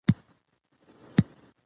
دلته هم ښځه د يوه منفعل حيثيت خاونده ده.